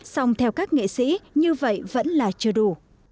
song theo các nghệ sĩ như vậy vẫn là chưa đủ